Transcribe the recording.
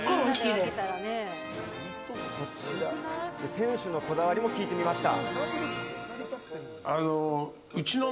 店主のこだわりも聞いてみました。